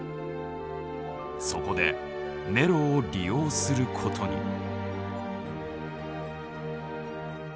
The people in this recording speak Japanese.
そこでネロを利用する事に。